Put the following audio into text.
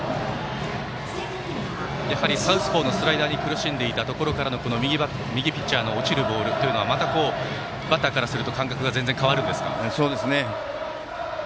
やはりサウスポーのスライダーに苦しんでいたところからの右ピッチャーの落ちるボールはまた、バッターからするとそうですね。